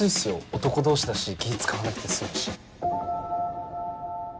男同士だし気使わなくて済むし。